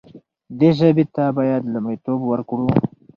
دې ژبې ته باید لومړیتوب ورکړو.